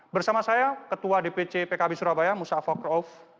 bersama saya ketua dpc pkb surabaya musafak rauf